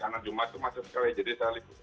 karena jumat itu masih sekali jadi salibu